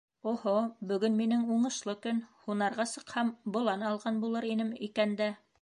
— Оһо, бөгөн минең уңышлы көн, һунарға сыҡһам, болан алған булыр инем икән дә.